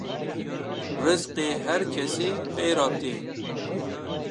Rizqê her kesî pê re tê